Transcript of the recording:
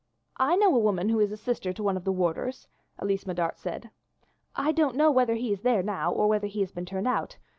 "I know a woman who is sister to one of the warders," Elise Medart said. "I don't know whether he is there now or whether he has been turned out.